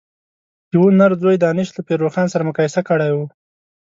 یوه نر ځوی دانش له پير روښان سره مقايسه کړی و.